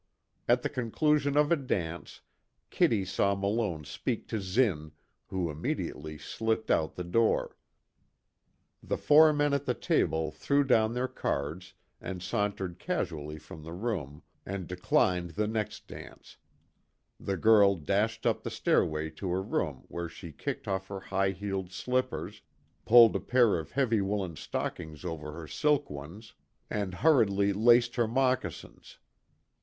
At the conclusion of a dance, Kitty saw Malone speak to Zinn, who immediately slipped out the door. The four men at the table, threw down their cards, and sauntered casually from the room and declining the next dance, the girl dashed up the stairway to her room where she kicked off her high heeled slippers, pulled a pair of heavy woolen stockings over her silk ones, and hurriedly laced her moccasins.